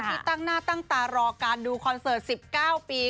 ที่ตั้งหน้าตั้งตารอการดูคอนเสิร์ต๑๙ปี